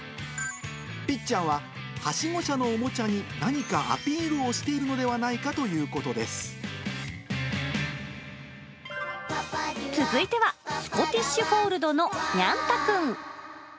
ぴっちゃんは、はしご車のおもちゃに何かアピールをしているのではないかという続いては、スコティッシュフォールドのにゃん太くん。